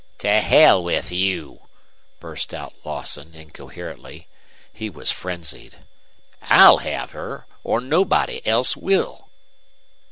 "To hell with you!" burst out Lawson, incoherently. He was frenzied. "I'll have her, or nobody else will!"